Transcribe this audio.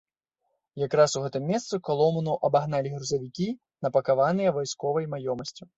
Якраз у гэтым месцы калону абагналі грузавікі, напакаваныя вайсковай маёмасцю.